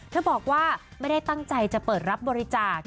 บอกว่าไม่ได้ตั้งใจจะเปิดรับบริจาค